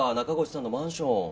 中越さんのマンション。